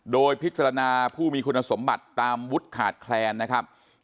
โดยพิจารณาผู้มีคุณสมบัติตามวุฒิขาดแคลนนะครับ